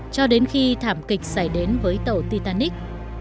cho đến khi thảm kịch xảy đến với tàu titanic